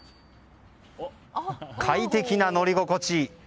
快適な乗り心地。